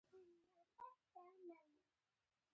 انیلا وویل چې د هغه سره سنایپر و